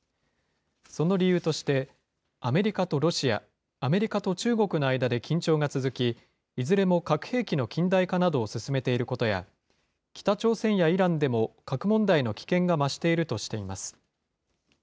その理由として、アメリカとロシア、アメリカと中国の間で緊張が続き、いずれも核兵器の近代化などを進めていることや、北朝鮮やイランでも核問題の危険が増しているとしています。